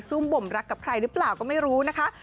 ุ่มบ่มรักกับใครหรือเปล่าก็ไม่รู้นะคะ